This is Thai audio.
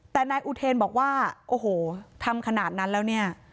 แต่นายอุเทนบอกว่าโอ้โหทำขนาดนั้นแล้วเนี่ย